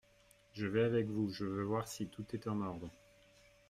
Je vais avec vous… je veux voir si tout est en ordre.